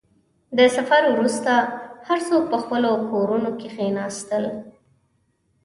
• د سفر وروسته، هر څوک په خپلو کورونو کښېناستل.